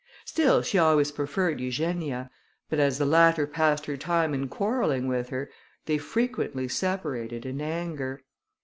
Still she always preferred Eugenia; but as the latter passed her time in quarrelling with her, they frequently separated in anger.